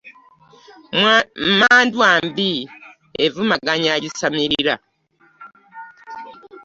Mmandwa mbi evumaganya agisamirira.